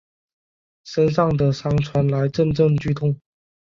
身上的伤传来阵阵剧痛